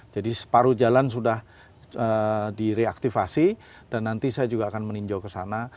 jadi separuh jalan sudah direaktivasi dan nanti saya juga akan meninjau ke sana